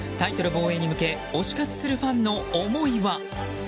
防衛に向け推し活するファンの思いは？